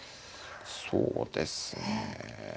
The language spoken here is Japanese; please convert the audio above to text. そうですね。